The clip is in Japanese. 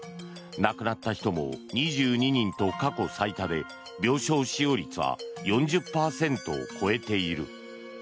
亡くなった人も２２人と過去最多で病床使用率は４０％を超えている。